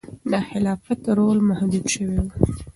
د خلافت رول محدود شوی و.